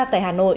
tại hà nội